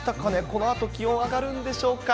このあと気温、上がるんでしょうか。